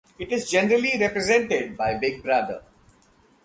It is generally represented by Big Brother.